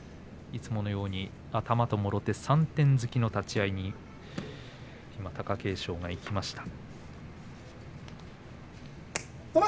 いつものように頭ともろ手３点突きの立ち合いに貴景勝がいきました。